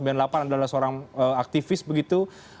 adalah seorang aktivis begitu